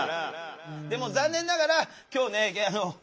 でも残念ながら今日ねゲイ私ら。